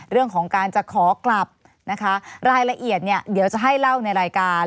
เรื่องของการจะขอกลับนะคะรายละเอียดเนี่ยเดี๋ยวจะให้เล่าในรายการ